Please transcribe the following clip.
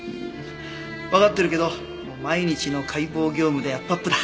わかってるけど毎日の解剖業務でアップアップだ。